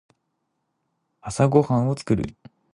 朝ごはんを作る。